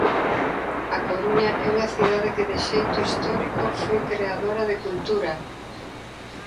A Coruña é unha cidade que de xeito histórico foi creadora de cultura.